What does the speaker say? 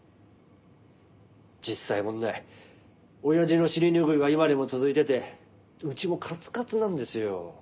実際問題親父の尻拭いは今でも続いててうちもかつかつなんですよ。